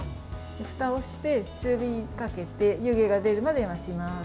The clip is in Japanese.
ふたをして中火にかけて湯気が出るまで待ちます。